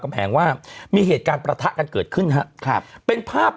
แผงว่ามีเหตุการณ์ประทะกันเกิดขึ้นฮะครับเป็นภาพ